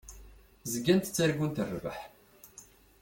Zgant ttargunt rrbeḥ.